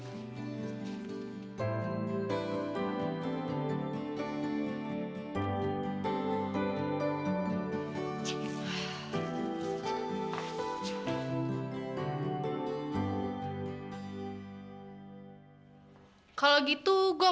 ia tak adrian patricia jadilah